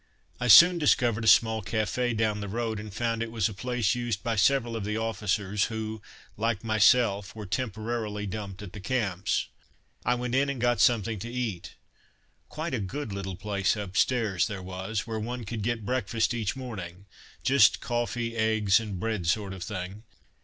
I soon discovered a small café down the road, and found it was a place used by several of the officers who, like myself, were temporarily dumped at the Camps. I went in and got something to eat. Quite a good little place upstairs there was, where one could get breakfast each morning: just coffee, eggs, and bread sort of thing.